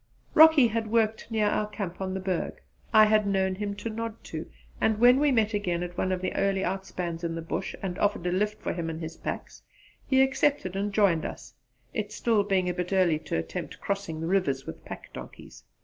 Rocky had worked near our camp on the Berg. I had known him to nod to, and when we met again at one of the early outspans in the Bush and offered a lift for him and his packs he accepted and joined us, it being still a bit early to attempt crossing the rivers with pack donkeys.